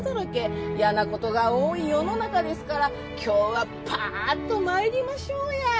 「嫌なことが多い世の中ですから今日はパッとまいりましょうや！」